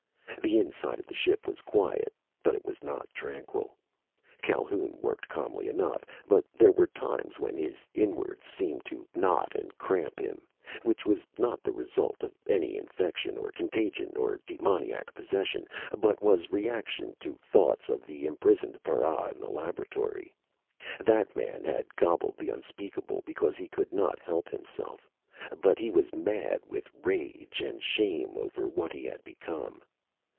The inside of the ship was quiet, but it was not tranquil. Calhoun worked calmly enough, but there were times when his inwards seemed to knot and cramp him, which was not the result of any infection or contagion or demoniac possession, but was reaction to thoughts of the imprisoned para in the laboratory. That man had gobbled the unspeakable because he could not help himself, but he was mad with rage and shame over what he had become.